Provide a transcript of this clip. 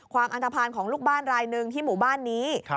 ความอันทภาณของลูกบ้านรายนึงที่หมู่บ้านนี้